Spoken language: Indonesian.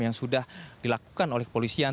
yang sudah dilakukan oleh kepolisian